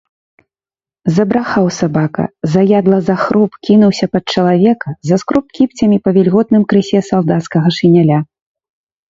Забрахаў сабака, заядла захроп, кінуўся пад чалавека, заскроб кіпцямі па вільготным крысе салдацкага шыняля.